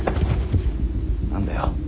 何だよ。